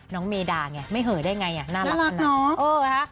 น้องเมดาเนี่ยไม่เหอได้ไงอ่ะน่ารักน่ะเออฮะ